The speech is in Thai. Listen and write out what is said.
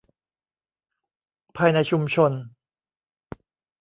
ภายในชุมชน